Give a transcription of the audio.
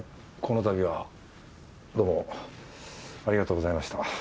このたびはどうもありがとうございました。